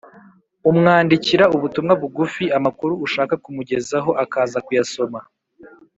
umwandikira ubutumwa bugufi, amakuru ushaka kumugezaho akaza kuyasoma